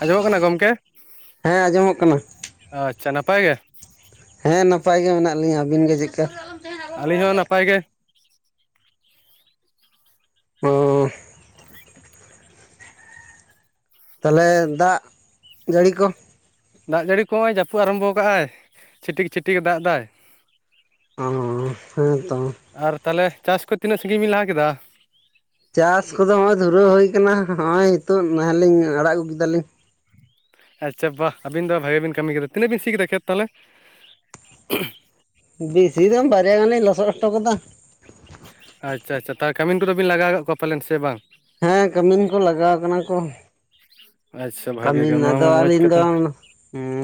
ᱟᱸᱡᱚᱢᱚᱜ ᱠᱟᱱᱟ ᱜᱚᱢᱠᱮ ᱦᱮᱸ ᱟᱸᱡᱚᱢᱚᱜ ᱠᱟᱱᱟ ᱟᱪᱪᱷᱟ ᱱᱟᱯᱟᱭ ᱜᱮ? ᱦᱮᱸ ᱱᱟᱯᱟᱭ ᱜᱮ ᱢᱮᱱᱟᱜ ᱞᱤᱧᱟ᱾ ᱟᱹᱵᱤᱱ ᱜᱮ ᱪᱮᱜᱠᱟ? ᱟᱹᱞᱤᱧ ᱦᱚᱸ ᱱᱟᱯᱟᱭ ᱜᱮ ᱳ ᱛᱟᱞᱦᱮ ᱫᱟᱜ ᱡᱟᱹᱲᱤ ᱠᱚ ᱫᱟᱜ ᱡᱟᱹᱲᱤ ᱠᱚ ᱦᱚᱜ-ᱚᱭ ᱡᱟᱹᱯᱩᱜ ᱟᱨᱟᱢᱵᱷᱚᱣ ᱠᱟᱜ-ᱟᱭ ᱪᱷᱤᱴᱤᱠ ᱪᱷᱤᱴᱤᱠᱮ ᱫᱟᱜ ᱫᱟᱭ᱾ ᱚ ᱦᱮᱸ ᱛᱚ ᱟᱨ ᱛᱟᱞᱮ ᱪᱟᱥ ᱠᱷᱚᱡ ᱛᱤᱱᱟᱹᱜ ᱥᱟᱺᱜᱤᱧ ᱵᱮᱱ ᱞᱟᱦᱟ ᱠᱮᱫᱟ? ᱪᱟᱥ ᱠᱚᱫᱚ ᱦᱚᱸᱜ-ᱚᱭ ᱫᱷᱩᱨᱟᱹᱣ ᱦᱩᱭ ᱟᱠᱟᱱᱟ, ᱦᱚᱸᱜ-ᱚᱭ ᱱᱤᱛᱳᱜ ᱱᱟᱦᱮᱞᱤᱧ ᱟᱲᱟᱜ ᱟᱹᱜᱩ ᱠᱮᱫᱟᱞᱤᱧ ᱟᱪᱪᱷᱟ ᱵᱟ ᱟᱹᱵᱤᱱ ᱫᱚ ᱵᱷᱟᱜᱤ ᱵᱤᱱ ᱠᱟᱹᱢᱤ ᱠᱮᱫᱟ, ᱛᱤᱱᱟᱹᱜ ᱵᱤᱱ ᱥᱤ ᱠᱮᱫᱟ ᱠᱷᱮᱛ ᱛᱟᱦᱞᱮ? ᱵᱮᱥᱤ ᱫᱚᱢ ᱵᱟᱨᱭᱟ ᱜᱟᱱᱤᱧ ᱞᱚᱥᱚᱜ ᱦᱚᱴᱚ ᱠᱟᱫᱟ᱾ ᱟᱪᱪᱷᱟ ᱟᱪᱷᱟ ᱛᱟ ᱠᱟᱹᱢᱤᱱ ᱠᱚᱫᱚᱵᱮᱱ ᱞᱟᱜᱟᱣ ᱠᱟᱜ ᱠᱚᱣᱟ ᱯᱟᱞᱮᱱ ᱥᱮ ᱵᱟᱝ? ᱦᱮᱸ ᱠᱟᱹᱢᱤᱱ ᱠᱚ ᱞᱟᱜᱟᱣ ᱠᱟᱱᱟ ᱠᱚ᱾ ᱟᱪᱪᱷᱟ ᱵᱷᱟᱜᱮ ᱠᱟᱹᱢᱤᱱ ᱜᱮ ᱱᱚᱣᱟ ᱟᱫᱚ ᱢᱟ ᱢᱚᱡᱽ ᱟᱹᱞᱤᱧ ᱫᱚ ᱠᱟᱛᱷᱟ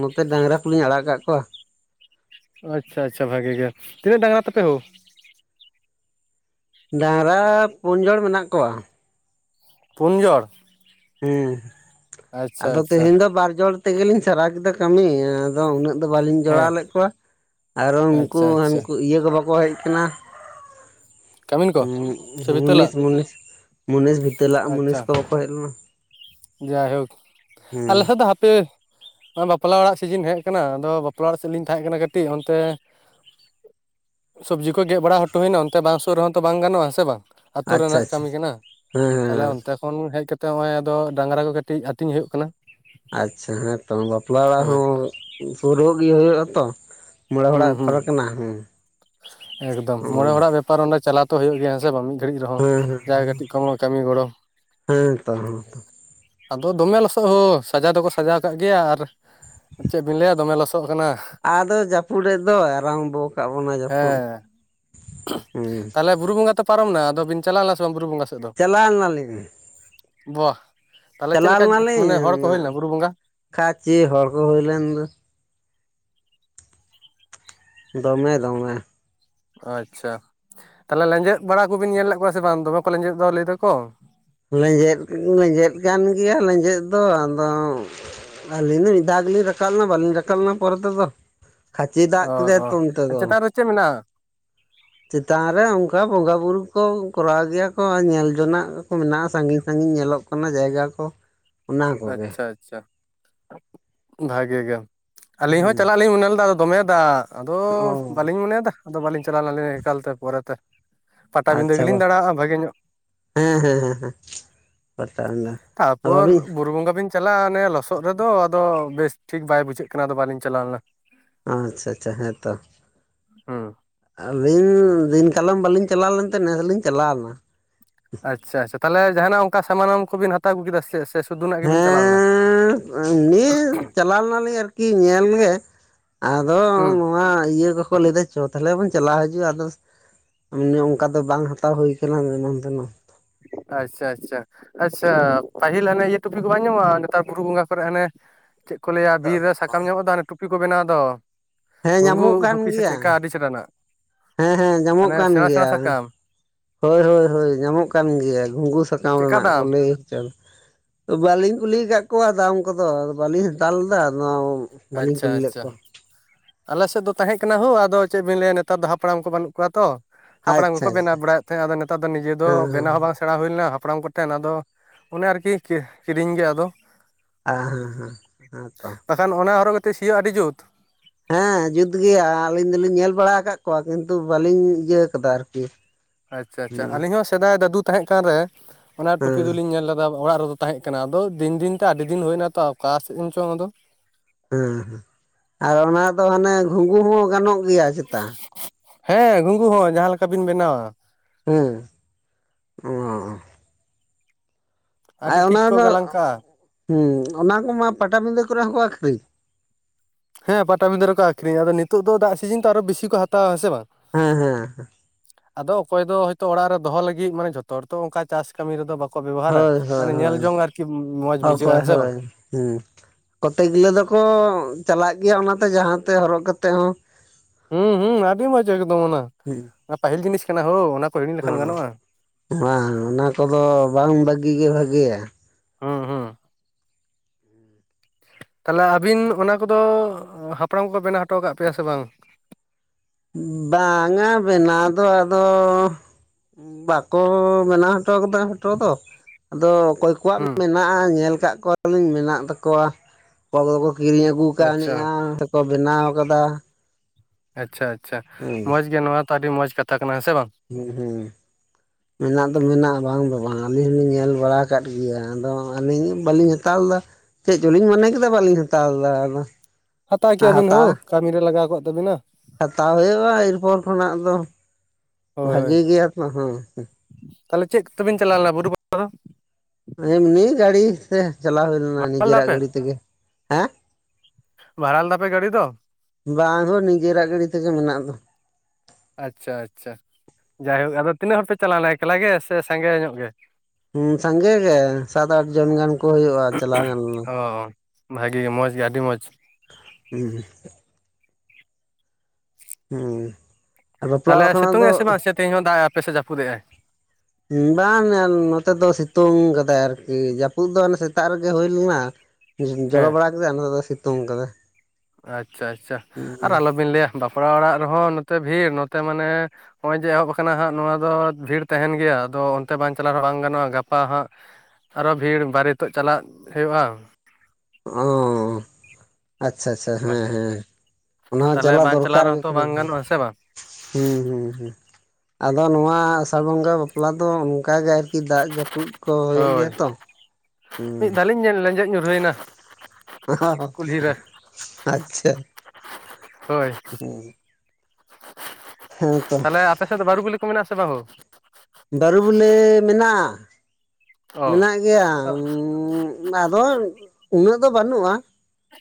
ᱱᱚᱛᱮ ᱰᱟᱝᱨᱟ ᱠᱚᱞᱤᱧ ᱟᱲᱟᱜ ᱠᱟᱜ ᱠᱚᱣᱟ ᱟᱪᱪᱷᱟ ᱟᱪᱪᱷᱟ ᱵᱷᱟᱜᱤ ᱜᱮ ᱛᱤᱱᱟᱹᱜ ᱰᱟᱝᱨᱟ ᱛᱟᱯᱮ ᱦᱳ ᱰᱟᱝᱨᱟ ᱯᱩᱱᱡᱚᱲ ᱢᱮᱱᱟᱜ ᱠᱚᱣᱟ ᱯᱩᱱ ᱡᱚᱲ ᱦᱮᱸ ᱟᱪᱪᱷᱟ ᱟᱫᱚ ᱟᱪᱪᱷᱟ ᱛᱮᱦᱮᱧ ᱫᱚ ᱵᱟᱨ ᱡᱚᱲ ᱛᱮᱜᱮᱞᱤᱧ ᱥᱟᱨᱟᱣ ᱠᱮᱫᱟ ᱠᱟᱹᱢᱤ ᱟᱫᱚ ᱩᱱᱟᱹᱜ ᱫᱚ ᱵᱟᱹᱞᱤᱧ ᱦᱮᱸ ᱡᱚᱲᱟᱣ ᱞᱮᱫ ᱠᱚᱣᱟ ᱟᱨᱚ ᱩᱱᱠᱩ ᱟᱪᱪᱷᱟ ᱟᱪᱪᱷᱟ ᱦᱟᱹᱱᱠᱩ ᱤᱭᱟᱹ ᱠᱚ ᱵᱟᱠᱚ ᱦᱮᱡ ᱟᱠᱟᱱᱟ ᱠᱟᱹᱢᱤᱱ ᱠᱚ ᱩᱸ ᱥᱮ ᱢᱩᱱᱤᱥ ᱵᱤᱛᱟᱹᱞᱟᱜ ᱢᱩᱱᱤᱥ ᱢᱩᱱᱤᱥ ᱵᱷᱤᱛᱟᱹ ᱞᱟᱜ ᱢᱩᱱᱤᱥ ᱟᱪᱪᱷᱟ ᱠᱚ ᱵᱟᱠᱚ ᱦᱮᱡ ᱞᱮᱱᱟ ᱡᱟᱭᱦᱳᱠ ᱟᱞᱮ ᱦᱮᱸ ᱥᱮᱫ ᱫᱚ ᱦᱟᱯᱮ ᱵᱟᱯᱞᱟ ᱚᱲᱟᱜ ᱥᱤᱡᱤᱱ ᱦᱮᱡ ᱟᱠᱟᱱᱟ ᱟᱫᱚ ᱵᱟᱯᱞᱟ ᱚᱲᱟᱜ ᱥᱮᱫ ᱞᱤᱧ ᱛᱟᱦᱮᱸ ᱠᱟᱱᱟ ᱠᱟᱹᱴᱤᱡ ᱚᱱᱛᱮ ᱥᱚᱵᱽᱡᱤ ᱠᱚ ᱜᱮᱫ ᱵᱟᱲᱟ ᱦᱚᱴᱚ ᱦᱳᱭᱱᱟ ᱚᱱᱛᱮ ᱵᱟᱝ ᱥᱩᱨ ᱨᱮᱦᱚᱸ ᱛᱚ ᱵᱟᱝ ᱜᱟᱱᱚᱜ-ᱟ ᱥᱮ ᱵᱟᱝ ᱟᱹᱛᱳ ᱟᱪᱪᱷᱟ ᱨᱮᱱᱟᱜ ᱟᱪᱪᱷᱟ ᱠᱟᱹᱢᱤ ᱠᱟᱱᱟ ᱦᱮᱸ ᱛᱟᱦᱚᱞᱮ ᱦᱮᱸ ᱚᱱᱛᱮ ᱯᱷᱳᱱ ᱦᱮᱡ ᱠᱟᱛᱮ ᱱᱚᱜ-ᱚᱭ ᱟᱫᱚ ᱰᱟᱝᱨᱟ ᱠᱚ ᱠᱟᱹᱴᱤᱡ ᱟᱹᱛᱤᱧ ᱦᱩᱭᱩᱜ ᱠᱟᱱᱟ ᱟᱪᱪᱷᱟ ᱦᱮᱸᱛᱚ ᱵᱟᱯᱞᱟ ᱚᱲᱟᱜ ᱦᱳᱭ ᱦᱚᱸ ᱥᱩᱨᱩᱜ ᱜᱤ ᱦᱩᱭᱩᱜ ᱟᱛᱚ ᱢᱚᱬᱮ ᱦᱩᱸ ᱦᱚᱲᱟᱜ ᱦᱩᱸ ᱯᱟᱨ ᱠᱟᱱᱟ ᱦᱮᱸ ᱮᱠᱫᱚᱢ ᱦᱮᱸ ᱢᱚᱬᱮ ᱦᱚᱲᱟᱜ ᱵᱮᱯᱟᱨ ᱚᱸᱰᱮ ᱪᱟᱞᱟ ᱛᱚ ᱦᱩᱭᱩᱜ ᱜᱮᱭᱟ ᱦᱮᱸᱥᱮ ᱵᱟᱝ ᱢᱤᱫ ᱜᱷᱟᱹᱲᱤᱡ ᱨᱮᱦᱚᱸ ᱦᱮᱸ ᱡᱟᱜ ᱠᱟᱹᱴᱤᱡ ᱠᱚᱢᱚ ᱠᱟᱹᱢᱤ ᱜᱚᱲᱚ ᱦᱮᱸ ᱛᱚ ᱦᱮᱸ ᱛᱚ ᱟᱫᱚ ᱫᱚᱢᱮ ᱞᱚᱥᱚᱫ ᱦᱳ ᱥᱟᱡᱟᱣ ᱫᱚᱠᱚ ᱥᱟᱡᱟᱣ ᱠᱟᱜ ᱜᱮᱭᱟ ᱟᱨ ᱪᱮᱫ ᱵᱤᱱ ᱞᱟᱹᱭᱟ ᱫᱚᱢᱮ ᱞᱚᱥᱚᱜ ᱠᱟᱱᱟ ᱟᱫᱚ ᱡᱟᱹᱯᱩᱫ ᱨᱮᱫᱭ ᱟᱨᱟᱢᱵᱚᱠᱟᱜ ᱵᱚᱱᱟ ᱡᱟᱹᱯᱩᱫ ᱦᱮᱸ ᱦᱮᱸ ᱛᱟᱦᱚᱞᱮ ᱵᱩᱨᱩ ᱵᱚᱸᱜᱟ ᱛᱚ ᱯᱟᱨᱚᱢ ᱱᱟ ᱟᱫᱚ ᱵᱤᱱ ᱪᱟᱞᱟᱣ ᱞᱮᱱᱟ ᱥᱮ ᱵᱟᱝ ᱵᱩᱨᱩ ᱵᱚᱸᱜᱟ ᱥᱮᱫ ᱫᱚ ᱪᱟᱞᱟᱣᱱᱟᱞᱤᱧ ᱵᱟ ᱛᱟᱦᱞᱮ ᱪᱮᱫᱞᱮᱠᱟ ᱢᱟᱱᱮ ᱦᱚᱲ ᱠᱚ ᱞᱮᱱᱟᱞᱤᱧ ᱦᱩᱭᱱᱟ ᱵᱩᱨᱩ ᱵᱚᱸᱜᱟ ᱠᱷᱟᱪᱮ ᱦᱚᱲ ᱠᱚ ᱦᱩᱭ ᱞᱮᱱ ᱫᱚ ᱫᱚᱢᱮ ᱫᱚᱢᱮ ᱟᱪᱪᱷᱟ ᱛᱟᱦᱚᱞᱮ ᱞᱮᱸᱡᱮᱫ ᱵᱟᱲᱟ ᱠᱚᱵᱤᱱ ᱧᱮᱞ ᱞᱮᱫ ᱠᱚᱣᱟ ᱥᱮ ᱵᱟᱝ ᱫᱚᱢᱮ ᱠᱚ ᱞᱮᱸᱡᱮᱫ ᱫ ᱞᱟᱹᱭ ᱫᱚᱠᱚ ᱞᱮᱸᱡᱮᱫ ᱞᱮᱸᱡᱮᱫ ᱠᱟᱱ ᱜᱮᱭᱟ ᱞᱮᱸᱡᱮᱫ ᱫᱚ ᱟᱫᱚ ᱟᱞᱤᱧ ᱫᱚ ᱢᱤᱫᱷᱟᱣᱜᱮᱞᱤᱧ ᱨᱠᱟᱞᱮᱱᱟ ᱵᱟᱞᱤᱧ ᱨᱠᱟᱞᱱᱟ ᱯᱚᱨᱮᱛᱮ ᱫᱚ ᱠᱷᱟᱪᱤ ᱫᱟᱜ ᱚ ᱠᱮᱫᱟᱭ ᱛᱚ ᱚᱱᱛᱮ ᱚ ᱫᱚ ᱪᱮᱛᱟᱱ ᱨᱮ ᱪᱮᱫ ᱢᱮᱱᱟᱜᱼᱟ ᱪᱮᱛᱟᱱ ᱨᱮ ᱚᱱᱠᱟ ᱵᱚᱸᱜᱟ ᱵᱩᱨᱩ ᱠᱚ ᱠᱚᱨᱟᱣ ᱜᱮᱭᱟ ᱠᱚ ᱟᱨ ᱧᱮᱞ ᱡᱚᱱᱟᱜ ᱠᱚ ᱢᱮᱱᱟᱜ-ᱟ ᱥᱟᱺᱜᱤᱧ ᱥᱟᱺᱜᱤᱧ ᱧᱮᱞᱚᱜ ᱠᱟᱱᱟ ᱡᱟᱭᱜᱟ ᱠᱚ [inaudible] ᱚᱱᱟ ᱠᱚᱜᱮ ᱟᱪᱪᱷᱟ ᱟᱪᱪᱷᱟ ᱵᱷᱟᱜᱤ ᱜᱮ ᱟᱹᱞᱤᱧ ᱦᱚᱸ ᱦᱮᱸ ᱪᱟᱞᱟᱜ ᱞᱤᱧ ᱢᱚᱱᱮ ᱞᱮᱫᱟ ᱫᱚᱢᱮᱫᱟᱜ ᱟᱫᱚ ᱚ ᱵᱟᱹᱞᱤᱧ ᱢᱚᱱᱮᱭᱮᱫᱟ ᱟᱫᱚ ᱵᱟᱹᱞᱤᱧ ᱪᱟᱞᱟᱣ ᱞᱮᱱᱟᱞᱤᱧ ᱮᱠᱟᱞᱛᱮ ᱯᱚᱨᱮᱛᱮ ᱯᱟᱴᱟᱵᱤᱫᱟᱹ ᱟᱪᱪᱷᱟ ᱜᱮᱞᱤᱧ ᱵᱟ ᱫᱟᱲᱟᱭᱚᱜ-ᱟ ᱵᱷᱟᱜᱮ ᱧᱚᱜ ᱦᱮᱸ ᱦᱮᱸ ᱦᱮᱸ [unintelligible] ᱛᱟᱨᱯᱚᱨ ᱟᱹᱵᱤᱱ ᱵᱩᱨᱩ ᱵᱚᱸᱜᱟ ᱵᱤᱱ ᱪᱟᱞᱟᱜᱼᱟ ᱚᱱᱮ ᱞᱚᱥᱚᱫ ᱨᱮᱫᱚ ᱟᱫᱚ ᱵᱮᱥ ᱴᱷᱤᱠ ᱵᱟᱭ ᱵᱩᱡᱷᱟᱹᱜ ᱠᱟᱱᱟ ᱟᱫᱚ ᱵᱟᱞᱤᱧ ᱪᱟᱞᱟᱣ ᱞᱮᱱᱟ᱾ ᱟᱪᱪᱷᱟ ᱟᱪᱪᱷᱟ ᱦᱮᱸᱛᱚ ᱦᱩᱸ ᱟᱹᱞᱤᱧ ᱫᱤᱱ ᱠᱟᱞᱚᱢ ᱵᱟᱹᱞᱤᱧ ᱪᱟᱞᱟᱣ ᱞᱮᱱᱛᱮ ᱱᱮᱥ ᱞᱤᱧ ᱪᱟᱞᱟᱣ ᱞᱮᱱᱟ᱾ ᱟᱪᱪᱷᱟ ᱟᱪᱪᱷᱟ ᱛᱟᱦᱚᱞᱮ ᱡᱟᱦᱟᱱᱟᱜ ᱚᱱᱠᱟ ᱥᱟᱢᱟᱱ ᱠᱚᱵᱤᱱ ᱦᱟᱛᱟᱣ ᱟᱹᱜᱩ ᱠᱮᱫᱟ ᱥᱮ ᱥᱩᱫᱩ ᱱᱟᱜ ᱜᱮᱵᱤᱱ ᱪᱟᱞᱟᱣ ᱞᱮᱱᱟ᱾ ᱱᱤᱭᱟᱹ ᱪᱟᱞᱟᱣ ᱞᱮᱱᱟᱞᱤᱧ ᱟᱨᱠᱤ ᱧᱮᱞ ᱜᱮ ᱟᱫᱚ ᱦᱩᱸ ᱱᱚᱣᱟ ᱤᱭᱟᱹ ᱠᱚᱠᱚ ᱞᱟᱹᱭᱮᱫᱟ ᱪᱚ ᱛᱟᱦᱚᱞᱮ ᱵᱚᱱ ᱪᱟᱞᱟᱣ ᱦᱤᱡᱩᱜᱼᱟ ᱟᱫᱚ ᱚᱱᱮ ᱚᱱᱠᱟ ᱫᱚ ᱵᱟᱝ ᱦᱟᱛᱟᱣ ᱦᱩᱭᱩ ᱟᱠᱟᱱᱟ ᱮᱢᱟᱱ ᱛᱮᱱᱚᱜ ᱟᱪᱪᱷᱟ ᱟᱪᱪᱷᱟ ᱟᱪᱪᱷᱟ ᱯᱟᱹᱦᱤᱞ ᱦᱟᱱᱮ ᱤᱭᱟᱹ ᱴᱚᱯᱤ ᱠᱚ ᱵᱟᱝ ᱧᱟᱢᱚᱜᱼᱟ ᱱᱮᱛᱟᱨ ᱵᱩᱨᱩ ᱵᱚᱸᱜᱟ ᱠᱚᱨᱮ ᱦᱟᱱᱮ ᱪᱮᱫ ᱠᱚ ᱞᱟᱹᱭᱟ ᱵᱤᱨ ᱨᱮ ᱥᱟᱠᱟᱢ ᱧᱚᱜ ᱫᱚ ᱦᱟᱱᱮ ᱴᱩᱯᱤ ᱠᱚ ᱵᱮᱱᱟᱣ ᱫᱚ। ᱦᱮᱸ ᱧᱟᱢᱚᱜ ᱜᱷᱩᱸᱜᱩ ᱠᱟᱱ ᱴᱩᱯᱤ ᱥᱮ ᱜᱮᱭᱟ। ᱪᱮᱫᱠᱟ ᱟᱹᱰᱤ ᱪᱮᱦᱨᱟᱱᱟᱜ ᱦᱮᱸ ᱦᱮᱸ ᱧᱟᱢᱚᱜ ᱦᱟᱱᱮ ᱠᱟᱱ ᱥᱮᱬᱟ ᱥᱮᱬᱟ ᱜᱮᱭᱟ। ᱥᱟᱠᱟᱢ ᱦᱳᱭ ᱦᱳᱭ ᱦᱳᱭ ᱧᱟᱢᱚᱜ ᱠᱟᱱ ᱜᱮᱭᱟ᱾ ᱜᱷᱩᱝᱜᱩ ᱥᱟᱠᱟᱢ ᱪᱮᱫᱠᱟ ᱨᱮᱱᱟᱜ ᱠᱚ ᱫᱟᱢ ᱞᱟᱹᱭ। [unintelligible] ᱵᱟᱞᱤᱧ ᱠᱩᱞᱤ ᱟᱠᱟᱫ ᱠᱚᱣᱟ ᱫᱟᱢ ᱠᱚᱫᱚ ᱵᱟᱹᱞᱤᱧ ᱦᱟᱛᱟᱣ ᱞᱮᱫᱟ ᱱᱚᱣᱟ ᱼᱼ ᱵᱟᱹᱞᱤᱧ ᱠᱩᱞᱤ ᱟᱪᱪᱷᱟ ᱞᱮᱫ ᱟᱪᱪᱷᱟ ᱠᱚᱣᱟ। ᱟᱞᱮ ᱥᱮᱫ ᱫᱚ ᱛᱟᱦᱮᱸᱜ ᱠᱟᱱᱟ ᱦᱳ ᱟᱫᱚ ᱪᱮᱫ ᱵᱤᱱ ᱞᱟᱹᱭᱟ ᱱᱮᱛᱟᱨ ᱫᱚ ᱦᱟᱯᱲᱟᱢ ᱠᱚ ᱵᱟᱹᱱᱩᱜ ᱠᱚᱣᱟ ᱛᱚ। ᱦᱟᱯᱲᱟᱢ ᱟᱪᱪᱷᱟ ᱠᱚᱠᱚ ᱵᱮᱱᱟᱣ ᱟᱪᱪᱷᱟ ᱵᱟᱲᱟᱭᱮᱫ ᱛᱟᱦᱮᱸᱜᱼᱟ᱾ ᱟᱫᱚ ᱱᱮᱛᱟᱨ ᱫᱚ ᱱᱤᱡᱮ ᱫᱚ ᱦᱮᱸ ᱦᱮᱸ ᱵᱮᱱᱟᱣ ᱦᱚᱸ ᱵᱟᱝ ᱼᱼ ᱥᱮᱬᱟ ᱦᱩᱭ ᱞᱮᱱᱟ ᱦᱟᱯᱲᱟᱢ ᱠᱚᱴᱷᱮᱱ ᱟᱫᱚ ᱚᱱᱮ ᱟᱨᱠᱤ ᱠᱤᱷ ᱠᱤᱨᱤᱧ ᱜᱮ ᱟᱫᱚ ᱟ ᱦᱮᱸ ᱦᱮᱸ ᱦᱮᱸ ᱛᱚ। ᱵᱟᱠᱷᱟᱱ ᱚᱱᱟ ᱦᱚᱨᱚᱜ ᱠᱟᱛᱮᱫ ᱥᱤᱭᱳᱜ ᱟᱹᱰᱤ ᱡᱩᱛ। ᱦᱮᱸ ᱡᱩᱛ ᱜᱮᱭᱟ ᱟᱹᱞᱤᱧ ᱫᱚᱞᱤᱧ ᱧᱮᱞ ᱵᱟᱲᱟ ᱟᱠᱟᱫ ᱠᱚᱣᱟ ᱠᱤᱱᱛᱩ ᱵᱟᱞᱤᱧ ᱤᱭᱟᱹ ᱟᱠᱟᱫᱟ ᱟᱨᱠᱤ। ᱟᱪᱪᱷᱟ ᱦᱮᱸ ᱟᱪᱪᱷᱟ᱾ᱟᱹᱞᱤᱧ ᱦᱚᱸ ᱥᱮᱫᱟᱭ ᱫᱟᱫᱩ ᱛᱟᱦᱮᱸ ᱠᱟᱱ ᱨᱮ ᱚᱱᱟ ᱴᱩᱯᱤ ᱦᱮᱸ ᱫᱚᱞᱤᱧ ᱧᱮᱞ ᱞᱮᱫᱟ᱾ ᱚᱲᱟᱜ ᱨᱮᱫᱚ ᱼᱼ ᱛᱟᱦᱮᱸᱜ ᱠᱟᱱᱟ ᱟᱫᱚ ᱫᱤᱱ ᱫᱤᱱ ᱛᱮ ᱟᱹᱰᱤ ᱫᱤᱱ ᱦᱩᱭᱱᱟ ᱛᱚ ᱚᱠᱟ ᱥᱮᱫᱮᱱ ᱪᱚᱝ ᱟᱫᱚ ᱦᱩᱸ ᱦᱩᱸ ᱟᱨ ᱚᱱᱟ ᱫᱚ ᱦᱟᱱᱮ ᱜᱷᱩᱸᱜᱩ ᱦᱚᱸ ᱜᱟᱱᱚᱜ ᱜᱮᱭᱟ ᱪᱮᱛᱟ ᱦᱮᱸ ᱜᱩᱝᱜᱩ ᱦᱚᱸ ᱡᱟᱦᱟᱸ ᱞᱮᱠᱟ ᱵᱤᱱ ᱵᱮᱱᱟᱣᱟ ᱦᱮᱸ ᱚᱸ ᱟᱨ ᱟᱹᱰᱤ ᱴᱷᱤᱠ ᱠᱚ ᱚᱱᱟᱫᱚ ᱜᱟᱞᱟᱝ ᱠᱟᱜᱼᱟ ᱚᱱᱟ ᱠᱚᱢᱟ ᱯᱟᱴᱟᱵᱤᱸᱫᱟᱹ ᱠᱚᱨᱮ ᱦᱚᱸᱠᱚ ᱟᱠᱷᱨᱤᱧ। ᱦᱮᱸ ᱯᱟᱴᱟᱵᱤᱫᱷᱟᱹ ᱨᱮᱠᱚ ᱟᱠᱷᱨᱤᱧᱟ ᱟᱫᱚ ᱱᱤᱛᱚᱜ ᱫᱚ ᱫᱟᱜ ᱥᱤᱡᱤᱱ ᱛᱚ ᱟᱨᱚ ᱵᱮᱥᱤ ᱠᱚ ᱦᱟᱛᱟᱣᱟ ᱦᱮᱸᱥᱮ ᱵᱟᱝ। ᱦᱮᱸ ᱦᱮᱸ ᱦᱮᱸ ᱟᱫᱚ ᱚᱠᱚᱭ ᱫᱚ ᱦᱚᱭᱛᱳ ᱚᱲᱟᱜ ᱨᱮ ᱫᱚᱦᱚ ᱞᱟᱹᱜᱤᱫ ᱢᱟᱱᱮ ᱡᱷᱚᱛᱚ ᱦᱚᱲ ᱛᱚ ᱚᱱᱠᱟ ᱪᱟᱥ ᱠᱟᱹᱢᱤ ᱨᱮᱫᱚ ᱵᱟᱠᱚ ᱵᱮᱵᱚᱦᱟᱨᱟ᱾ ᱦᱳᱭ ᱦᱳᱭ ᱢᱟᱱᱮ ᱧᱮᱞ ᱦᱳᱭ ᱡᱚᱝ ᱟᱨᱠᱤ ᱢᱚᱸᱡᱽ ᱵᱩᱡᱷᱟᱹᱜᱼᱟ ᱦᱮᱸ ᱥᱮ ᱵᱟᱝ। ᱦᱮᱸ ᱠᱚᱛᱮ ᱜᱤᱞᱟᱹ ᱫᱚᱠᱚ ᱪᱟᱞᱟᱜ ᱜᱮᱭᱟ ᱚᱱᱟᱛᱮ ᱡᱟᱦᱟᱸ ᱛᱮ ᱦᱚᱨᱚᱜ ᱠᱟᱛᱮ ᱦᱚᱸ। ᱦᱩᱸ ᱦᱩᱸ ᱟᱹᱰᱤ ᱢᱚᱸᱡᱽ ᱮᱠᱫᱚᱢ ᱚᱱᱟ ᱦᱮᱸ ᱯᱟᱹᱦᱤᱞ ᱡᱤᱱᱤᱥ ᱠᱟᱱᱟ ᱦᱳ ᱚᱱᱟ ᱠᱚ ᱦᱤᱲᱤᱧ ᱞᱮᱠᱷᱟᱱ ᱦᱚᱸ ᱜᱟᱱᱚᱜᱼᱟ ᱦᱚᱸ ᱵᱟᱝ ᱚᱱᱟ ᱠᱚᱫᱚ ᱵᱟᱝ ᱵᱟᱹᱜᱤ ᱜᱮ ᱵᱷᱟᱹᱜᱤᱭᱟ। ᱦᱩᱸ ᱦᱩᱸ ᱛᱟᱦᱟᱞᱮ ᱟᱵᱤᱱ ᱚᱱᱟ ᱠᱚᱫᱚ ᱦᱟᱯᱲᱟᱢ ᱠᱚᱠᱚ ᱵᱮᱱᱟᱣ ᱦᱚᱴᱚ ᱟᱠᱟᱜ ᱯᱮᱭᱟ ᱥᱮ ᱵᱟᱝ? ᱵᱟᱝᱟ ᱵᱮᱱᱟᱣ ᱫᱚ ᱟᱫᱚ ᱵᱟᱠᱚ ᱵᱮᱱᱟᱣ ᱦᱚᱴᱚ ᱠᱟᱫᱟ ᱦᱚᱴᱚ ᱫᱚ᱾ ᱟᱫᱚ ᱚᱠᱚᱭ ᱟᱠᱚᱣᱟᱜ ᱦᱩᱸ ᱢᱮᱱᱟᱜᱼᱟ ᱧᱮᱞ ᱟᱠᱟᱫ ᱠᱚᱣᱟᱞᱤᱧ ᱢᱮᱱᱟᱜ ᱛᱟᱠᱚᱣᱟ᱾ ᱚᱠᱚᱭ ᱠᱚᱫᱚ ᱠᱚ ᱠᱤᱨᱤᱧ ᱟᱹᱜᱩ ᱟᱪᱪᱷᱟ ᱠᱟᱣᱱᱤᱜ-ᱟ [unintelligible] ᱠᱚ ᱵᱮᱱᱟᱣ ᱟᱠᱟᱫᱟ᱾ ᱟᱪᱪᱷᱟ ᱟᱪᱪᱷᱟ᱾ ᱢᱚᱡᱽ ᱜᱮ ᱱᱚᱣᱟ ᱛᱚ ᱟᱹᱰᱤ ᱢᱚᱡᱽ ᱠᱟᱛᱷᱟ ᱠᱟᱱᱟ ᱦᱮᱸ ᱥᱮ ᱵᱟᱝ। ᱦᱩᱸ ᱦᱩᱸ ᱢᱮᱱᱟᱜ ᱫᱚ ᱢᱮᱱᱟᱜᱼᱟ ᱵᱟᱝ ᱫᱚ ᱵᱟᱝ ᱟᱹᱞᱤᱧ ᱦᱚᱞᱤᱧ ᱧᱮᱞ ᱵᱟᱲᱟ ᱟᱠᱟᱫ ᱜᱮᱭᱟ। ᱟᱫᱚ ᱟᱹᱞᱤᱧ ᱵᱟᱹᱞᱤᱧ ᱦᱟᱛᱟᱣ ᱞᱮᱫᱟ ᱪᱮᱫ ᱪᱚᱞᱤᱧ ᱢᱚᱱᱮ ᱠᱮᱫᱟ ᱵᱟᱹᱞᱤᱧ ᱦᱟᱛᱟᱣ ᱞᱮᱫᱟ ᱟᱫᱚ। ᱦᱟᱛᱟᱣ ᱠᱮᱭᱟᱵᱤᱱ ᱦᱳ᱾ ᱠᱟᱹᱢᱤ ᱨᱮ ᱞᱟᱜᱟᱣ ᱠᱚᱜ ᱛᱟᱹᱵᱤᱱᱟ। ᱦᱟᱛᱟᱣ ᱦᱩᱭᱩᱜᱼᱟ ᱮᱨᱯᱚᱨ ᱠᱷᱚᱱᱟᱜ ᱫᱚ ᱵᱷᱟᱜᱤ ᱜᱮᱭᱟ ᱛᱚ᱾ ᱦᱚᱸ ᱦᱚᱸ ᱛᱟᱦᱟᱞᱮ ᱪᱮᱫ ᱠᱚ ᱛᱮᱵᱮᱱ ᱪᱟᱞᱟᱣ ᱞᱮᱱᱟ ᱵᱩᱨᱩ ᱯᱟ [unintelligible] ᱫᱚ? ᱮᱢᱱᱤ ᱜᱟᱹᱰᱤ ᱛᱮ ᱪᱟᱞᱟᱣ ᱦᱩᱭ ᱞᱮᱱᱟ ᱵᱷᱟᱲᱟ ᱱᱤᱡᱮᱨᱟᱜ ᱞᱮᱫᱟᱯᱮ ᱜᱟᱹᱰᱤ ᱛᱮᱜᱮ᱾ ᱦᱮᱸ ᱵᱷᱟᱲᱟ ᱞᱮᱫᱟ ᱯᱮ ᱜᱟᱹᱰᱤ ᱫᱚ? ᱵᱟᱝ ᱦᱚᱸ ᱱᱤᱡᱮᱨᱟᱜ ᱜᱟᱹᱰᱤ ᱛᱮᱜᱮ ᱢᱮᱱᱟᱜ ᱫᱚ। ᱟᱪᱪᱷᱟ ᱟᱪᱪᱷᱟ, ᱡᱟᱭᱦᱳᱠ ᱟᱫᱚ ᱛᱤᱱᱟᱹᱜ ᱦᱚᱲᱯᱮ ᱪᱟᱞᱟᱣ ᱞᱮᱱᱟᱭ ᱮᱠᱮᱞᱟ ᱜᱮ ᱥᱮ ᱥᱟᱸᱜᱮ ᱧᱚᱜ ᱜᱮ? ᱦᱩᱸ ᱥᱟᱸᱜᱮ ᱜᱮ ᱥᱟᱛ ᱟᱴ ᱡᱚᱱ ᱜᱟᱱ ᱠᱚ ᱦᱩᱭᱩᱜᱼᱟ ᱪᱟᱞᱟᱣ ᱠᱟᱱᱟᱞᱮ ᱵᱷᱟᱜᱮ ᱜᱮ ᱢᱚᱡᱽ ᱜᱮ ᱟᱹᱰᱤ ᱢᱚᱡᱽ। ᱦᱩᱸ ᱦᱩᱸ ᱟᱨ ᱵᱟᱯᱞᱟ ᱛᱟᱦᱟᱞᱮ ᱚᱲᱟᱜ ᱠᱷᱚᱱᱟᱜ ᱥᱤᱛᱩᱝ ᱫᱚ ᱮᱼᱟ ᱥᱮ ᱵᱟᱝ ᱥᱮ ᱛᱮᱦᱮᱧ ᱦᱚᱸ ᱫᱟᱜ ᱮ ᱟᱞᱮᱥᱮᱫ ᱡᱟᱹᱯᱩᱫᱮᱟᱭ? ᱵᱟᱝ ᱧᱮᱞ ᱱᱚᱛᱮ ᱫᱚ ᱥᱤᱛᱩᱝ ᱠᱟᱫᱟᱭ ᱟᱨᱠᱤ ᱡᱟᱹᱯᱩᱫ ᱫᱚ ᱚᱱᱮ ᱥᱮᱛᱟᱜ ᱨᱮᱜᱮ ᱦᱩᱭ ᱞᱮᱱᱟ। ᱡᱚᱨᱚ ᱦᱮᱸ ᱵᱟᱲᱟ ᱠᱮᱫᱟᱭ ᱚᱱᱟᱛᱮ ᱫᱚ ᱥᱤᱛᱩᱝ ᱠᱟᱫᱟᱭ᱾ ᱟᱪᱪᱷᱟ ᱟᱪᱪᱷᱟ ᱟᱨ ᱟᱞᱚᱵᱤᱱ ᱞᱟᱹᱭᱟ ᱵᱟᱯᱞᱟ ᱚᱲᱟᱜ ᱨᱮᱦᱚᱸ ᱱᱚᱛᱮ ᱵᱷᱤᱲ ᱱᱚᱛᱮ ᱢᱟᱱᱮ ᱱᱚᱜᱼᱚᱭ ᱡᱮ ᱮᱦᱚᱵ ᱟᱠᱟᱱᱟ ᱦᱟᱸᱜ ᱱᱚᱣᱟ ᱫᱚ ᱵᱷᱤᱲ ᱛᱟᱦᱮᱱ ᱜᱮᱭᱟ ᱟᱫᱚ ᱚᱱᱛᱮ ᱵᱟᱝ ᱪᱟᱞᱟᱣ ᱨᱮᱦᱚᱸ ᱵᱟᱝ ᱜᱟᱱᱚᱜᱼᱟ ᱜᱟᱯᱟ ᱦᱟᱸᱜ ᱟᱨᱚ ᱵᱷᱤᱲ ᱵᱟᱨᱮᱛᱚᱜ ᱪᱟᱞᱟᱜ ᱦᱩᱭᱩᱜᱼᱟ᱾ ᱚᱸᱻ ᱟᱪᱪᱷᱟ ᱟᱪᱪᱷᱟ ᱦᱮᱸ ᱦᱮᱸ ᱚᱱᱟ ᱦᱚᱸ ᱛᱟᱦᱚᱞᱮ ᱪᱟᱞᱟᱜ ᱵᱟᱝ ᱪᱟᱞᱟᱣ ᱫᱚᱨᱠᱟᱨ ᱨᱮᱦᱚᱸ ᱜᱮ ᱛᱚ ᱠᱟᱱᱟ ᱵᱟᱝ ᱦᱮᱸ ᱦᱩᱸ ᱜᱟᱱᱚᱜᱼᱟ ᱥᱮ ᱵᱟᱝ ᱦᱩᱸ ᱦᱩᱸ, ᱟᱫᱚ ᱱᱚᱣᱟ ᱟᱥᱟᱲ ᱵᱚᱸᱜᱟ ᱵᱟᱯᱞᱟ ᱫᱚ ᱚᱝᱠᱟ ᱜᱮ ᱫᱟᱜ ᱡᱟᱹᱯᱩᱫ ᱠᱚ ᱦᱩᱭᱩᱜ ᱜᱮᱭᱟ ᱛᱚ? ᱦᱩᱸ᱾ ᱟᱹᱞᱤᱧ ᱞᱮᱸᱡᱮᱜ ᱧᱩᱨᱦᱩᱭᱮᱱᱟ ᱦᱸ- ᱦᱸ ᱟᱪᱪᱷᱟ ᱦᱳᱭ ᱦᱩᱸ ᱛᱟᱦᱚᱞᱮ ᱟᱯᱮ ᱥᱮᱫ ᱫᱚ ᱵᱟᱨᱩ ᱵᱤᱞᱤ ᱠᱚ ᱢᱮᱱᱟᱜ ᱟᱥᱮ ᱵᱟᱹᱝ ᱦᱳ? ᱵᱟᱨᱩ ᱵᱚᱞᱮ ᱢᱮᱱᱟᱜ-ᱟ? ᱚ ᱢᱮᱱᱟᱜ ᱜᱮᱭᱟ ᱩᱸᱜᱻ ᱟᱫᱚ ᱩᱱᱟᱹᱜ ᱫᱚ ᱵᱟᱹᱱᱩᱜ-ᱟ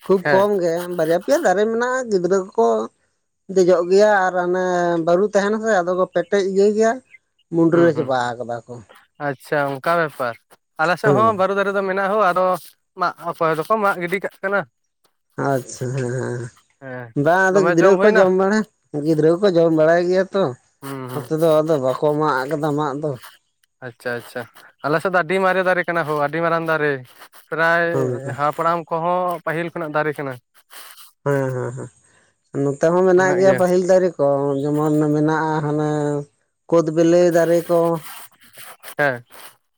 ᱠᱷᱩᱵ ᱦᱮᱸ ᱠᱚᱢ ᱜᱮ ᱵᱟᱨᱭᱟ ᱯᱮᱭᱟ ᱫᱟᱨᱮ ᱢᱮᱱᱟᱜᱼᱟ ᱜᱤᱫᱽᱨᱟᱹ ᱠᱚᱠᱚ ᱼᱼ ᱫᱮᱡᱚᱜ ᱜᱮᱭᱟ ᱟᱨ ᱚᱱᱮ ᱵᱟᱹᱨᱩ ᱛᱟᱦᱮᱱᱟᱥᱮ ᱟᱫᱚ ᱠᱚ ᱯᱮᱴᱮᱡ ᱤᱭᱟᱹᱭ ᱜᱮᱭᱟ। ᱦᱩᱸ ᱢᱩᱰᱨᱤᱟᱹ ᱦᱩᱸ ᱪᱟᱵᱟ ᱠᱟᱫᱟ ᱠᱚ᱾ ᱟᱪᱪᱷᱟ ᱚᱱᱠᱟ ᱵᱮᱯᱟᱨ᱾ ᱟᱞᱮ ᱥᱮᱫ ᱦᱮᱸ ᱦᱚᱸ ᱵᱟᱨᱩ ᱫᱟᱨᱮ ᱼᱼ ᱱᱚᱛᱮ ᱫᱚ ᱢᱮᱱᱟᱜ ᱦᱳ ᱟᱫᱚ ᱢᱟᱜ ᱚᱠᱚᱭ ᱫᱚᱠᱚ ᱢᱟᱜ ᱜᱤᱰᱤ ᱠᱟᱜ ᱠᱟᱱᱟ᱾ ᱟᱪᱪᱷᱟ ᱦᱮᱸ ᱦᱮᱸ ᱵᱟᱝ ᱟᱫᱚ ᱜᱤᱫᱽᱨᱟᱹ ᱠᱚᱠᱚ ᱡᱚᱢ ᱵᱟᱲᱟ ᱜᱤᱫᱽᱨᱟᱹ ᱠᱚᱠᱚ ᱡᱚᱢ ᱵᱟᱲᱟᱭ ᱜᱮᱭᱟ ᱛᱚ ᱦᱩᱸ ᱦᱩᱸ ᱱᱚᱛᱮ ᱫᱚ ᱟᱫᱚ ᱵᱟᱠᱚ ᱢᱟᱜ ᱟᱠᱟᱫᱟ ᱢᱟᱜ ᱫᱚ᱾ ᱟᱪᱪᱷᱟ ᱟᱪᱪᱷᱟ, ᱟᱞᱮ ᱥᱮᱫ ᱫᱚ ᱟᱹᱰᱤ ᱢᱟᱨᱮ ᱫᱟᱨᱮ ᱠᱟᱱᱟ ᱦᱳ, ᱟᱹᱰᱤ ᱢᱟᱨᱟᱝ ᱫᱟᱨᱮ᱾ ᱯᱨᱟᱭ ᱦᱮᱸ ᱦᱟᱯᱲᱟᱢ ᱠᱚᱦᱚᱸ ᱯᱟᱹᱦᱤᱞ ᱠᱷᱚᱱᱟᱜ ᱫᱟᱨᱮ ᱠᱟᱱᱟ᱾ ᱦᱮᱸ ᱦᱮᱸ ᱦᱮᱸ ᱱᱚᱛᱮ ᱦᱚᱸ ᱢᱮᱱᱟᱜ ᱜᱮᱭᱟ ᱯᱟᱹᱦᱤᱞ ᱫᱟᱨᱮ ᱠᱚ ᱡᱮᱢᱚᱱ ᱢᱮᱱᱟᱜᱼᱟ ᱦᱟᱱᱮ ᱠᱩᱫᱽ ᱵᱤᱞᱤ ᱫᱟᱨᱮ ᱠᱚ᱾ ᱦᱮᱸ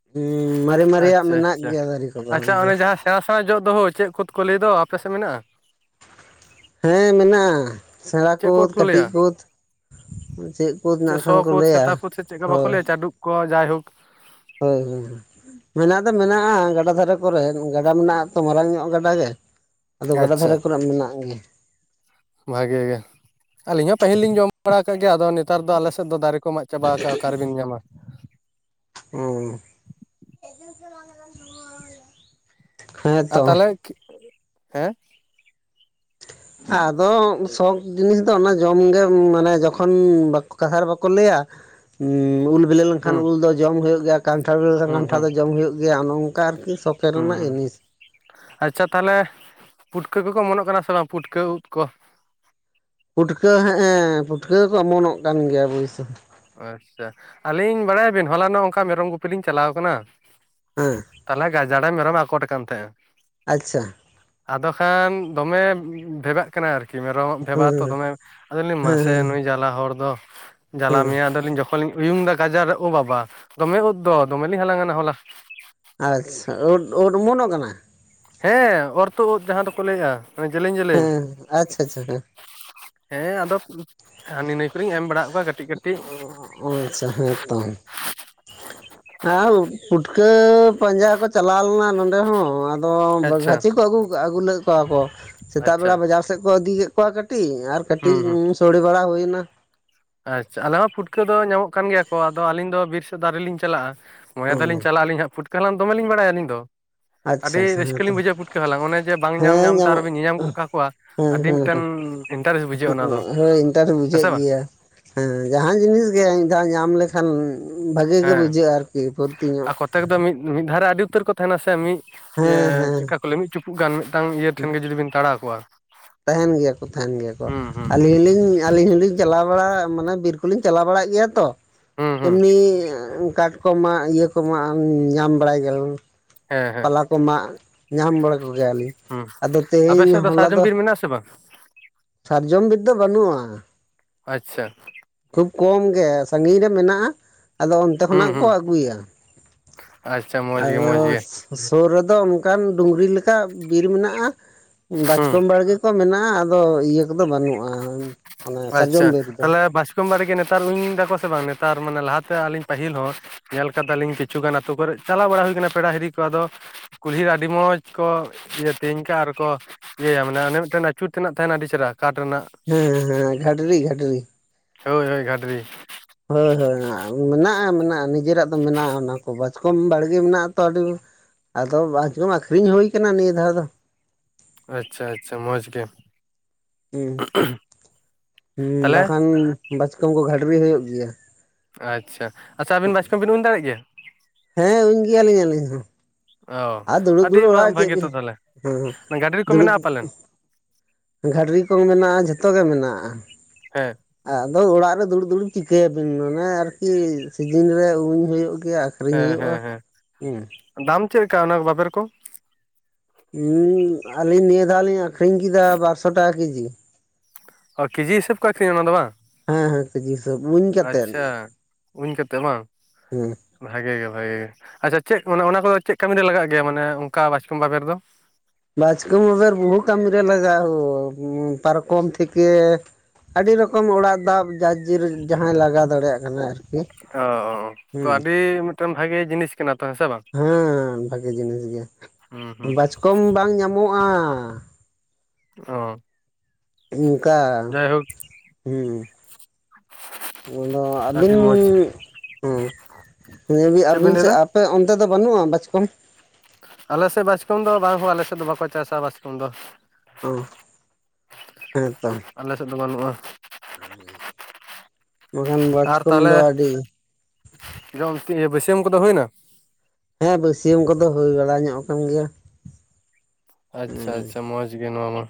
ᱦᱩᱸ ᱢᱟᱨᱮ ᱢᱟᱨᱮᱭᱟᱜ ᱟᱪᱪᱷᱟ ᱢᱮᱱᱟᱜ ᱟᱪᱪᱷᱟ ᱜᱮᱭᱟ ᱫᱟᱨᱮ ᱠᱚᱫᱚ ᱟᱪᱪᱷᱟ ᱡ ᱚᱱᱮ ᱡᱟᱦᱟᱸ ᱥᱮᱬᱟ ᱥᱮᱬᱟ ᱡᱚᱜ ᱫᱚᱦᱳ ᱪᱮᱫ ᱠᱷᱫ ᱠᱚ ᱞᱟᱹᱭ ᱫᱚ ᱟᱯᱮᱥᱮᱫ ᱢᱮᱱᱟᱜ-ᱟ? ᱦᱮᱸ ᱢᱮᱱᱟᱜ-ᱟ ᱥᱮᱬᱟ ᱪᱮᱫ ᱠᱳᱫ ᱠᱩᱫ ᱠᱚ ᱞᱟᱹᱭᱟ ᱠᱟᱹᱴᱤᱡ ᱠᱳᱫ ᱪᱮᱫ ᱪᱮ ᱪ ᱥᱚ ᱠᱳᱫ ᱥᱮᱛᱟ ᱠᱳᱫ ᱥᱮ ᱪᱮᱫᱠᱟ ᱵᱟᱠᱚ ᱞᱟᱹᱭᱟ ᱪᱟᱰᱩᱵ ᱠᱚ ᱡᱟᱭᱦᱳᱠ᱾ ᱦᱳᱭ ᱦᱳᱭ ᱢᱮᱱᱟᱜ ᱫᱚ ᱢᱮᱱᱟᱜ-ᱟ ᱜᱟᱰᱟ ᱫᱷᱟᱨᱮ ᱠᱚᱨᱮ ᱜᱟᱰᱟ ᱢᱮᱱᱟᱜ-ᱟ ᱛᱚ ᱢᱟᱨᱟᱝ ᱧᱚᱜ ᱜᱟᱰᱟ ᱜᱮ ᱟᱫᱚ ᱜᱟᱰᱟ ᱟᱪᱪᱷᱟ ᱫᱷᱟᱨᱮ ᱠᱚᱨᱮᱱᱟᱜ ᱢᱮᱱᱟᱜ ᱜᱮ᱾ ᱵᱷᱟᱜᱮ ᱜᱮ ᱟᱹᱞᱤᱧ ᱦᱚᱸ ᱯᱟᱹᱦᱤᱞ ᱞᱤᱧ ᱡᱚᱢ ᱵᱟᱲᱟ ᱟᱠᱟᱫ ᱜᱮᱭᱟ ᱟᱫᱚ ᱱᱮᱛᱟᱨ ᱫᱚ ᱟᱞᱮᱥᱮᱫ ᱫᱚ ᱫᱟᱨᱮ ᱠᱚ ᱢᱟᱜ ᱪᱟᱵᱟ ᱟᱠᱟ-ᱟ ᱚᱠᱟᱨᱮᱵᱤᱱ ᱧᱟᱢᱟ᱾ ᱦᱩᱸ [unintelligible] ᱟᱨ ᱛᱟᱞᱦᱮ ᱦᱮᱸ ᱟᱫᱚ ᱥᱚᱠ ᱡᱤᱱᱤᱥ ᱫᱚ ᱚᱱᱟ ᱡᱚᱢᱜᱮ ᱢᱟᱱᱮ ᱡᱚᱠᱷᱚᱱ ᱠᱟᱛᱷᱟ ᱨᱮ ᱵᱟᱠᱚ ᱞᱟᱹᱭᱟ᱾ ᱩᱸᱻ ᱩᱞ ᱵᱮᱞᱮ ᱞᱮᱱᱠᱷᱟᱱ ᱦᱩᱸ ᱩᱞ ᱫᱚ ᱡᱚᱢ ᱦᱩᱭᱩᱜ ᱜᱮᱭᱟ ᱠᱟᱱᱴᱷᱟᱲ ᱵᱮᱞᱮ ᱞᱮᱱᱠᱷᱟᱱ ᱦᱩᱸ ᱠᱟᱱᱴᱷᱟᱲ ᱦᱩᱸ ᱫᱚ ᱡᱚᱢ ᱦᱩᱭᱩᱜ ᱜᱮᱭᱟ ᱚᱱᱮ ᱚᱱᱠᱟ ᱟᱨᱠᱤ ᱥᱚᱠᱮ ᱨᱮᱱᱟᱜ ᱦᱩᱸ ᱡᱤᱱᱤᱥ ᱟᱪᱪᱷᱟ ᱛᱟᱞᱦᱮ ᱯᱩᱴᱠᱟᱹ ᱠᱚᱠᱚ ᱚᱢᱚᱱᱚᱜ ᱠᱟᱱᱟ ᱥᱮ ᱵᱟᱝ ᱯᱩᱴᱠᱟᱹ ᱩᱫᱹ ᱠᱚ ᱯᱩᱴᱠᱟᱹ ᱦᱮᱸ ᱮᱸ ᱯᱩᱴᱠᱟᱹ ᱠᱚ ᱚᱢᱚᱱᱚᱜ ᱠᱟᱱ ᱜᱮᱭᱟ ᱚᱵᱚᱥᱚᱹ᱾ ᱟᱪᱪᱷᱟ ᱟᱹᱞᱤᱧ ᱵᱟᱲᱟᱭᱟ ᱵᱤᱱ ᱦᱚᱞᱟᱱᱚᱜ ᱚᱱᱠᱟ ᱢᱮᱨᱚᱢ ᱜᱩᱯᱤ ᱞᱤᱧ ᱪᱟᱞᱟᱣ ᱟᱠᱟᱱᱟ ᱦᱮᱸ ᱛᱟᱦᱚᱞᱮ ᱜᱟᱡᱟᱲᱨᱮ ᱢᱮᱨᱚᱢ ᱟᱠᱚᱴ ᱠᱟᱱ ᱛᱟᱦᱮᱱᱼᱟ᱾ ᱟᱪᱪᱷᱟ ᱟᱫᱚ ᱠᱷᱟᱱ ᱫᱚᱢᱮ ᱵᱷᱮᱵᱷᱟᱜ ᱠᱟᱱᱟᱭ ᱟᱨᱠᱤ ᱢᱮᱨᱚᱢ ᱵᱷᱮᱵᱟᱳ ᱛᱚ ᱦᱮᱸ ᱫᱚᱢᱮ ᱟᱫᱚᱞᱤᱧ ᱢᱟᱥᱮ ᱦᱮᱸ ᱱᱩᱭ ᱡᱟᱞᱟ ᱦᱚᱲ ᱫᱚ᱾ ᱡᱟᱞᱟ ᱦᱮᱸ ᱢᱮᱭᱟ ᱟᱞᱤᱧ ᱡᱚᱠᱷᱚᱱᱞᱤᱧ ᱩᱭᱩᱝᱫᱟ᱾ ᱜᱟᱡᱟᱲ ᱨᱮ ᱳ ᱵᱟᱵᱟ! ᱫᱚᱢᱮ ᱩᱫ ᱫᱚ ᱫᱚᱢᱮᱞᱤᱧ ᱦᱟᱞᱟᱝᱟᱱᱟ ᱦᱚᱞᱟ᱾ ᱟᱪᱪᱷᱟ ᱳᱫ ᱳᱫ ᱚᱢᱚᱱᱚᱜ ᱠᱟᱱᱟ ᱦᱮᱸ ᱚᱨ ᱛᱳᱫ ᱳᱫ ᱡᱟᱦᱟᱸ ᱫᱚᱠᱚ ᱞᱟᱹᱭᱟ ᱡᱮᱞᱮᱧ ᱡᱮᱞᱮᱧ ᱦᱮᱸ ᱟᱪᱪᱷᱟ ᱟᱪᱪᱷᱟ ᱦᱮᱸ ᱦᱮᱸ ᱟᱫᱚ ᱦᱟᱹᱱᱤ ᱱᱟᱹᱭ ᱠᱚᱨᱮᱧ ᱮᱢ ᱵᱟᱲᱟᱫ ᱠᱚᱣᱟ ᱠᱟᱹᱴᱤᱡ᱾ ᱠᱟᱹᱴᱤᱡ ᱚ ᱟᱪᱪᱷᱟ ᱦᱮᱸ ᱛᱚ [inaudible] ᱟᱸ ᱯᱩᱴᱠᱟᱹ ᱯᱟᱸᱡᱟ ᱠᱚ ᱪᱟᱞᱟᱣ ᱞᱮᱱᱟ ᱱᱚᱸᱰᱮ ᱦᱚᱸ ᱟ ᱟᱫᱚ ᱟᱪᱪᱷᱟ ᱠᱷᱟᱪᱷᱤ ᱠᱚ ᱟᱹᱜᱩ ᱟᱹᱜᱩ ᱞᱮᱫ ᱠᱚᱣᱟ ᱠᱚ, ᱥᱮᱛᱟᱜ ᱟᱪᱪᱷᱟ ᱵᱮᱲᱟ ᱵᱟᱡᱟᱨ ᱥᱮᱫ ᱠᱚ ᱤᱫᱤᱭᱮᱫ ᱠᱮ ᱠᱚᱣᱟ ᱠᱟᱹᱴᱤᱡ ᱟᱨ ᱠᱟᱹᱴᱤᱡ ᱦᱩᱸ ᱦᱩᱸ ᱥᱳᱲᱮ ᱵᱟᱲᱟ ᱦᱩᱭᱱᱟ ᱟᱪᱪᱷᱟ ᱟᱞᱮ ᱦᱚ ᱯᱷᱩᱴᱠᱟᱹ ᱫᱚ ᱧᱟᱢᱚᱜ ᱠᱟᱱ ᱜᱮᱭᱟ ᱠᱚ ᱟᱫᱚ ᱟᱹᱞᱤᱧ ᱫᱚ ᱵᱤᱨ ᱥᱮᱫ ᱫᱚ ᱟᱨᱤᱞᱤᱧ ᱪᱟᱞᱟᱜᱼᱟ᱾ ᱢᱚᱱᱮ ᱫᱚᱞᱤᱧ ᱦᱩᱸ ᱪᱟᱞᱟᱜᱼᱟᱞᱤ ᱦᱟᱸ ᱯᱷᱩᱴᱠᱟ. ᱦᱟᱞᱟᱝ ᱫᱚᱢᱮᱞᱤᱧ ᱵᱟᱲᱟᱭ ᱟᱹᱞᱤᱧ ᱫᱚ᱾ ᱟᱪᱪᱷᱟ ᱟᱹᱰᱤ ᱟᱪᱪᱷᱟ ᱦᱮᱸᱛᱚ ᱨᱟᱹᱥᱠᱟᱹᱞᱤᱤᱧ ᱵᱩᱡᱟᱹᱟ ᱯᱩᱴᱠᱟᱹ ᱦᱟᱞᱟᱝ ᱚᱱᱮ ᱵᱟᱝ ᱧᱟᱢ ᱦᱮᱸ ᱧᱟᱢᱛᱮ ᱧᱟᱢᱚᱜ ᱟᱨᱚᱵᱤᱱ ᱧᱤᱧᱟᱢᱜ ᱠᱟ ᱠᱚᱣᱟ ᱦᱮᱸ ᱦᱮᱸ ᱚᱱᱟ ᱫᱚ ᱦᱳᱭ ᱤᱱᱴᱟᱨᱮᱥ ᱦᱮᱸ ᱵᱩᱡᱷᱟᱹᱜ ᱥᱮ ᱵᱟᱝ ᱜᱮᱭᱟ ᱦᱮᱸ ᱡᱟᱦᱟᱱ ᱡᱤᱱᱤᱥ ᱜᱮ ᱢᱤᱫᱷᱟᱣ ᱧᱟᱢ ᱞᱮᱠᱷᱟᱱ ᱵᱷᱟᱜᱮ ᱜᱮ ᱦᱮᱸ ᱵᱩᱡᱷᱟᱹᱜᱼᱟ ᱟᱨᱠᱤ ᱯᱷᱚᱨᱛᱤ ᱧᱚᱜ ᱟᱨ ᱠᱚᱛᱮᱠ ᱫᱚ ᱢᱤᱫ ᱫᱷᱟᱨᱮ ᱟᱹᱰᱤ ᱩᱛᱟᱹᱨ ᱠᱚ ᱛᱟᱦᱮᱱᱟ ᱥᱮ ᱢᱤᱫ ᱦᱮᱸ ᱤᱭᱟᱹ ᱦᱮᱸ ᱪᱮᱫᱠᱟ ᱠᱚ ᱞᱮ ᱢᱤᱫ ᱪᱩᱯᱩᱜ ᱜᱟᱱ ᱢᱤᱫ ᱢᱤᱫᱴᱟᱝ ᱤᱭᱟᱹ ᱴᱷᱮᱱ ᱜᱮ ᱡᱩᱫᱤ ᱰᱤᱱ ᱛᱟᱲᱟᱣ ᱠᱚᱜᱣᱟ ᱛᱟᱦᱮᱱ ᱜᱮᱭᱟ ᱠᱚ ᱛᱟᱦᱮᱱ ᱜᱮᱭᱟ ᱠᱚ ᱟᱹᱞᱤᱧ ᱞᱤᱧ ᱟᱞᱤᱧ ᱦᱚᱞᱤᱧ ᱪᱟᱞᱟᱣ ᱵᱟᱲᱟᱜ ᱢᱟᱱᱮ ᱵᱤᱨ ᱠᱚᱞᱤᱧ ᱪᱟᱞᱟᱣ ᱵᱟᱲᱟᱜ ᱜᱮᱭᱟ ᱛᱚ ᱦᱩᱸ ᱦᱩᱸ ᱮᱢᱱᱤ ᱠᱟᱴᱠᱚᱢ ᱢᱟᱜ ᱤᱭᱟᱹ ᱠᱚᱢᱟ ᱧᱟᱢ ᱵᱟᱲᱟᱭ ᱜᱮᱭ ᱦᱮᱸ ᱦᱮᱸ ᱯᱟᱞᱟ ᱠᱚ ᱢᱟᱜ ᱧᱟᱢ ᱵᱟᱲᱟ ᱠᱚᱜᱮᱭᱟᱞᱤᱧ ᱟᱫᱚ ᱛᱮᱦᱮᱧ ᱦᱚᱞᱟ ᱫᱚ ᱥᱮ ᱵᱟᱝ ᱥᱟᱨᱡᱚᱢ ᱵᱤᱫ ᱫᱚ ᱵᱟᱹᱱᱩᱜᱼᱟ ᱟᱪᱪᱷᱟ ᱠᱷᱩᱵ ᱠᱚᱢ ᱜᱮ ᱥᱟᱺᱜᱤᱧ ᱨᱮ ᱢᱮᱱᱟᱜᱼᱟ ᱟᱫᱚ ᱚᱱᱛᱮ ᱦᱩᱸ ᱠᱷᱚᱱᱟᱜ ᱠᱚ ᱦᱩᱸ ᱟᱹᱜᱩᱭᱟ ᱟᱪᱪᱷᱟ ᱢᱚᱸᱡᱽ ᱜᱮ ᱟᱫᱚ ᱢᱚᱸᱡᱽ ᱜᱮ ᱥᱩᱨ ᱨᱮᱫᱚ ᱚᱱᱠᱟᱱ ᱰᱩᱝᱨᱤ ᱞᱮᱠᱟ ᱵᱤᱨ ᱢᱮᱱᱟᱜᱼᱟ ᱦᱩᱸ ᱵᱟᱪᱠᱚᱢ ᱵᱟᱲᱜᱮ ᱠᱚ ᱢᱮᱱᱟᱜᱼᱟ ᱟᱫᱚ ᱤᱭᱟᱹ ᱠᱚᱫᱚ ᱵᱟᱹᱱᱩᱜᱼᱟ ᱚᱱᱮ ᱥᱟᱨᱡᱚᱢ ᱰᱤᱨ ᱨᱮᱫᱚ ᱥᱩᱛᱟ. ᱢ ᱵᱟᱨᱮᱜᱮ ᱱᱮᱛᱟᱨ ᱩᱭᱤᱧ ᱫᱟᱠᱚ ᱥᱮ ᱵᱟᱝ ᱱᱮᱛᱟᱨ ᱢᱟᱱᱮ ᱞᱟᱦᱟᱛᱮ ᱟᱹᱞᱤᱧ ᱯᱟᱹᱦᱤᱞ ᱦᱚᱸ ᱧᱮᱞ ᱠᱟᱫᱟᱞᱤᱧ ᱠᱤᱪᱷᱩᱩᱜᱟᱱ ᱟᱹᱛᱩ ᱠᱚᱨᱮᱜ ᱪᱟᱞᱟᱣ ᱵᱟᱲᱟ ᱦᱩᱭ ᱠᱟᱱᱟ ᱯᱮᱲᱟ ᱦᱤᱨᱤ ᱠᱚ ᱟᱫᱚ ᱠᱩᱞᱦᱤ ᱨᱮ ᱟᱹᱰᱤ ᱢᱚᱸᱡ ᱠᱚ ᱤᱭᱟᱹ ᱛᱮᱧ ᱠᱟᱜ ᱟᱨᱠᱚ ᱤᱭᱟᱹᱭᱟ ᱢᱟᱱᱮ ᱟᱱᱮ ᱢᱤᱫᱴᱮᱱ ᱟ ᱟᱹᱪᱩᱨ ᱛᱮᱱᱟᱜ ᱛᱟᱦᱮᱱᱟ ᱟᱹᱰᱤ ᱪᱮᱨᱦᱟ ᱠᱟᱴ ᱨᱮᱱᱟᱜ ᱦᱮᱸ ᱦᱮᱸ ᱜᱷᱟᱰᱨᱤ ᱜᱷᱟᱰᱨᱤ ᱦᱳᱭ ᱦᱳᱭ ᱜᱷᱟᱰᱨᱤ ᱦᱳᱭ ᱦᱳᱭ ᱢᱮᱱᱟᱜᱼᱟ ᱢᱮᱱᱟᱜᱼᱟ ᱱᱤᱡᱮᱨᱟᱜ ᱫᱚ ᱢᱮᱱᱟᱜᱼᱟ ᱚᱱᱟ ᱠᱚ ᱵᱟᱪ ᱼᱼᱠᱚᱢ ᱵᱟᱲᱜᱮ ᱢᱮᱱᱟᱜ ᱛᱚ ᱟᱹᱰᱤ ᱟᱫᱚ ᱵᱟᱪᱠᱚᱢ ᱟᱠᱠᱷᱨᱤᱧ ᱦᱩᱭ ᱠᱟᱱᱟ ᱱᱤᱭᱟᱹ ᱫᱷᱟᱣ ᱫᱚ ᱟᱪᱪᱷᱟ ᱟᱪᱪᱷᱟ ᱢᱚᱸᱡ ᱜᱮ ᱦᱩᱸ ᱦᱩᱸ ᱛᱟᱦᱚᱞᱮ ᱵᱟᱠᱷᱟᱱ ᱵᱟᱪᱠᱚᱢ ᱠᱚ ᱜᱷᱟᱰᱨᱤ ᱦᱩᱭᱩᱜ ᱜᱮᱭᱟ ᱟᱪᱪᱷᱟ ᱟᱪᱪᱷᱟ ᱟᱹᱵᱤᱱ ᱵᱟᱪᱠᱚᱢ ᱵᱤᱱ ᱩᱧ ᱫᱟᱲᱮᱭᱟᱜ ᱜᱮᱭᱟ? ᱦᱮᱸ ᱩᱧ ᱜᱮᱭᱟᱞᱤᱧ ᱟᱹᱞᱤᱧ ᱦᱚᱸ ᱚ ᱟᱨ ᱫᱩᱲᱩᱵ ᱟᱹᱰᱤ ᱫᱩᱲᱩᱵ ᱚᱲᱟᱜ ᱨᱮ ᱪᱮᱫ ᱵᱷᱟᱜᱮ ᱛᱚ ᱵᱤᱱ ᱛᱟᱦᱚᱞᱮ ᱦᱮᱸ ᱜᱟᱹᱰᱨᱤ ᱠᱚ ᱫᱩᱲᱩᱵ ᱢᱮᱱᱟᱜᱼᱟ ᱯᱟᱞᱮᱱ ᱜᱟᱹᱰᱨᱤ ᱠᱚ ᱢᱮᱱᱟᱜᱼᱟ ᱡᱷᱚᱛᱚ ᱜᱮ ᱢᱮᱱᱟᱜᱼᱟ ᱦᱮᱸ ᱟᱫᱚ ᱚᱲᱟᱜ ᱨᱮ ᱫᱩᱲᱩᱵ ᱫᱩᱲᱩᱵ ᱪᱤᱠᱟᱹᱭᱟᱵᱤᱱ ᱢᱟᱱᱮ ᱟᱨᱠᱤ ᱥᱤᱡᱤᱱ ᱨᱮ ᱩᱧ ᱦᱩᱭᱩᱜ ᱜᱮᱭᱟ ᱟᱠᱷᱨᱤᱧ ᱦᱮᱸ ᱦᱩᱭᱩᱜᱼᱟ ᱦᱮᱸ ᱦᱮᱸ ᱦᱩᱸ ᱫᱟᱢ ᱪᱮᱫ ᱞᱮᱠᱟ ᱚᱱᱟ ᱵᱟᱵᱮᱨ ᱠᱚ ᱦ ᱟᱹᱞᱤᱧ ᱱᱤᱭᱟᱹ ᱫᱷᱟᱣ ᱞᱤᱧ ᱟᱠᱷᱨᱤᱧ ᱠᱮᱫᱟ ᱵᱟᱨᱥᱚ ᱴᱟᱠᱟ ᱠᱮᱡᱤ ᱚ ᱠᱮᱡᱤ ᱦᱤᱥᱟᱹᱵᱽ ᱠᱚ ᱟᱠᱤᱨᱧᱟ ᱚᱱᱟ ᱫᱚ ᱵᱟᱝ ᱦᱮᱸ ᱦᱮᱸ ᱦᱤᱥᱟ. ᱵ ᱤᱧ ᱟᱪᱪᱷᱟ ᱩᱧ ᱠᱟᱛᱮ ᱵᱟᱝ ᱦᱮᱸ ᱵᱷᱟᱜᱮ ᱜᱮ ᱵᱷᱟᱜᱮ ᱜᱮ ᱟᱪᱪᱷᱟ ᱪᱮᱫ ᱢᱟᱱᱮ ᱚᱱᱟ ᱠᱚᱫᱚ ᱪᱮᱫ ᱠᱟᱹᱢᱤ ᱨᱮ ᱞᱟᱜᱟᱜ ᱜᱮᱭᱟ ᱢᱟᱱᱮ ᱚᱱᱠᱟ ᱵᱟᱪᱠᱚᱢ ᱵᱟᱵᱮᱨᱫᱚ ᱵᱟᱪᱠᱚᱢ ᱵᱟᱵᱮᱟᱨ ᱵᱚᱦᱩ ᱠᱟᱹᱢᱤ ᱨᱮ ᱞᱟᱜᱟᱜ ᱦᱳ ᱯᱟᱨᱠᱚᱢ ᱛᱦᱮᱠᱮ ᱟᱹᱰᱤ ᱨᱚᱠᱚᱢ ᱚᱲᱟᱜ ᱫᱟᱵ ᱡᱟᱨ ᱡᱮᱨ ᱡᱟᱦᱟᱸᱭ ᱞᱟᱜᱟᱣ ᱫᱟᱲᱮᱭᱟᱜ ᱠᱟᱱᱟ ᱟᱨᱠᱤ ᱚ ᱛᱚ ᱦᱮᱸ ᱟᱹᱰᱤ ᱢᱤᱫᱴᱮᱱ ᱵᱷᱟᱜᱮ ᱡᱤᱱᱤᱥ ᱠᱟᱱᱟ ᱛᱚ ᱦᱮᱸ ᱥᱮ ᱵᱟᱝ ᱦᱮᱸ ᱵᱷᱟᱜᱤ ᱡᱤᱱᱤᱥ ᱜᱮᱭᱟ ᱦᱩᱸ ᱦᱩᱸ ᱵᱟᱪᱠᱚᱢ ᱵᱟᱝ ᱧᱟᱢᱚᱜᱼᱟ ᱚ ᱚᱝᱠᱟ ᱡᱟᱭᱦᱳᱠ ᱦᱮᱸ ᱟᱫᱚ ᱟᱹᱵᱤᱱ ᱟᱹᱰᱤ ᱢᱚᱸᱡᱽ ᱦᱮᱸ ᱦ ᱪᱮᱫ ᱵᱤᱱ ᱟᱵᱤᱱ ᱞᱟᱹᱭ ᱥᱮᱫ ᱮᱫᱟ ᱟᱯᱮ ᱚᱱᱛᱮ ᱫᱚ ᱵᱟᱹᱱᱩᱜᱼᱟ ᱵᱟᱪᱠᱚᱢ ᱟᱞᱮᱥᱮᱫ ᱵᱟᱪᱠᱚᱢ ᱫᱚ ᱵᱟᱝᱦᱚ ᱟᱞᱮ ᱥᱮᱫ ᱫᱚ ᱵᱟᱠᱚ ᱪᱟᱥᱟ ᱵᱟᱪᱠᱚᱢ ᱫᱚ ᱦᱮᱸ ᱛᱚ ᱟᱞᱮᱥᱮᱫ ᱫᱚ ᱵᱟᱹᱱᱩᱜᱼᱟ ᱵᱟᱠᱷᱟᱱ ᱟᱨ ᱵᱟᱪᱠᱚᱢ ᱛᱟᱦᱚᱞᱮ ᱫᱚ ᱟᱹᱰᱤ ᱡᱚᱢ ᱛᱤ ᱵᱟᱹᱥᱭᱟᱢ ᱠᱚᱫᱚ ᱦᱩᱭᱱᱟ? ᱦᱮᱸ ᱵᱟᱹᱥᱭᱟᱹᱢ ᱠᱚᱫᱚ ᱦᱩᱭ ᱵᱟᱲᱟ ᱧᱚᱜ ᱠᱟᱱ ᱜᱮᱭᱟ᱾ ᱟᱪᱪᱷᱟ ᱦᱮᱸ ᱟᱪᱪᱷᱟ ᱢᱚᱸᱡᱽ ᱜᱮ ᱱᱚᱣᱟ ᱢᱟ